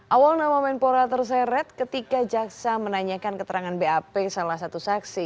awal nama menpora terseret ketika jaksa menanyakan keterangan bap salah satu saksi